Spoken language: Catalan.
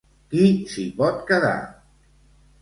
Qui s'hi pot quedar?